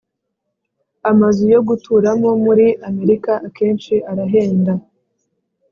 Amazu yo guturamo muri Amerika akenshi arahenda